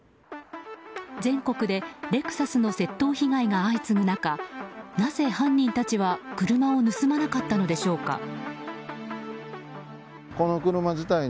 全国でレクサスの窃盗被害が相次ぐ中なぜ犯人たちは車を盗まなかったのでしょうか。